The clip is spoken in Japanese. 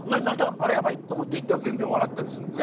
あれやばいと思って行ったら全然笑ってたりするのね。